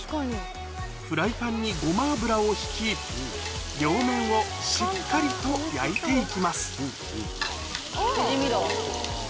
フライパンにごま油を引き両面をしっかりと焼いて行きますチヂミだ。